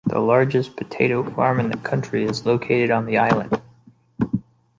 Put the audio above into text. The largest potato farm in the country is located on the island.